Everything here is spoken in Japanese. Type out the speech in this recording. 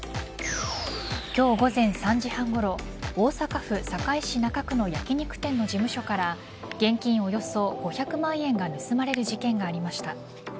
今日午前３時半ごろ大阪府堺市中区の焼き肉店の事務所から現金およそ５００万円が盗まれる事件がありました。